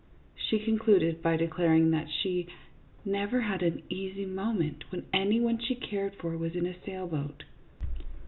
She concluded by declaring that she " never had an easy moment when any one she cared for was in a sailboat."